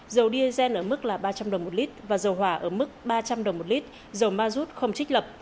dầu diesel ở mức ba trăm linh đồng một lít và dầu hỏa ở mức ba trăm linh đồng một lít dầu ma rút không trích lập